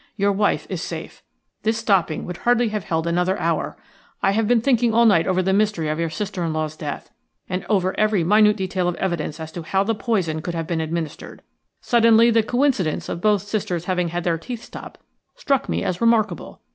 Your wife is safe. This stopping would hardly have held another hour. I have been thinking all night over the mystery of your sister in law's death, and over every minute detail of evidence as to how the poison could have been administered. Suddenly the coincidence of both sisters having had their teeth stopped struck me as remarkable.